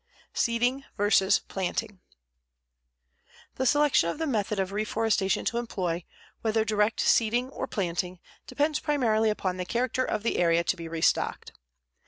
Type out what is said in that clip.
SEEDING VERSUS PLANTING The selection of the method of reforestation to employ, whether direct seeding or planting, depends primarily upon the character of the area to be restocked.